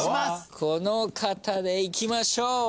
この方でいきましょう！